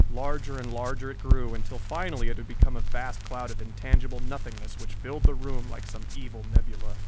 Larger and larger it grew, until finally it had become a vast cloud of intangible nothingness which filled the room like some evil nebula.